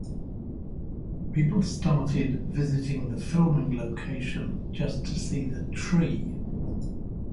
People started visiting the filming location just to see the tree.